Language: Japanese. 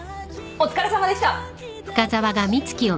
お疲れさまでした！